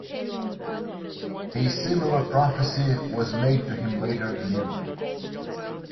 A similar prophecy was made to him later in England.